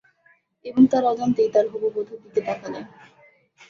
এবং তার অজান্তেই তার হবু বধূর দিকে তাকালেন।